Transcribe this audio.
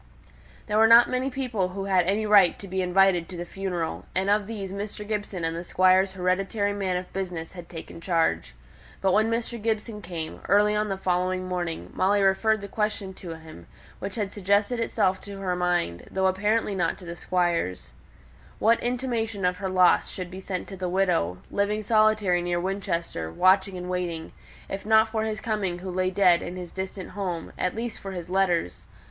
There were not many people who had any claim to be invited to the funeral, and of these Mr. Gibson and the Squire's hereditary man of business had taken charge. But when Mr. Gibson came, early on the following morning, Molly referred the question to him, which had suggested itself to her mind, though apparently not to the Squire's, what intimation of her loss should be sent to the widow, living solitary near Winchester, watching and waiting, if not for his coming who lay dead in his distant home, at least for his letters.